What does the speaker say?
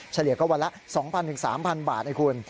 เฉลี่ยก็วันละ๒๐๐๓๐๐บาทให้คุณ